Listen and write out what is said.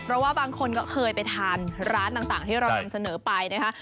เพราะว่าบางคนก็เคยไปทานร้านต่างที่เรานำเสนอไปนะคะ